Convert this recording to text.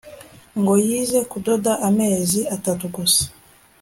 ngo yize kudoda amezi atatu gusa